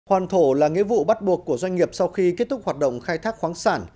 hoàn thổ là nghĩa vụ bắt buộc của doanh nghiệp sau khi kết thúc hoạt động khai thác khoáng sản